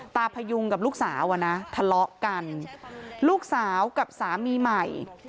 พยุงกับลูกสาวอ่ะนะทะเลาะกันลูกสาวกับสามีใหม่